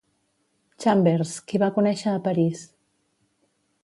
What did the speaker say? Chambers, qui va conèixer a París.